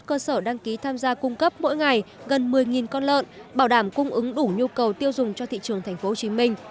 sở công thương sẽ tham gia cung cấp mỗi ngày gần một mươi con lợn bảo đảm cung ứng đủ nhu cầu tiêu dùng cho thị trường tp hcm